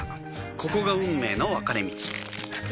ここが運命の分かれ道